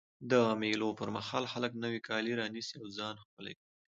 د مېلو پر مهال خلک نوی کالي رانيسي او ځان ښکلی کوي.